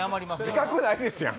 自覚ないですやん！